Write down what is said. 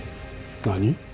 何？